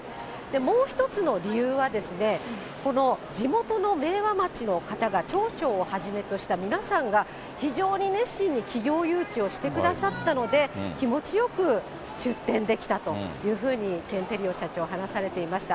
もう１つの理由はですね、この地元の明和町の方が町長をはじめとした皆さんが、非常に熱心に企業誘致をしてくださったので、気持ちよく出店できたというふうに、ケンテリオ社長話しておりました。